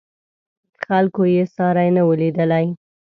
خلکو یې ساری نه و لیدلی.